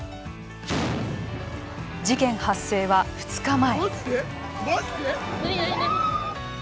事件発生は、２日前。